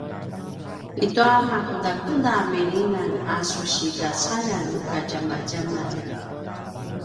itja makudakuda milingan a su sigacaljan nu kadjamadjaman?